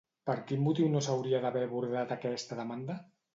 Per quin motiu no s'hauria d'haver abordat aquesta demanda?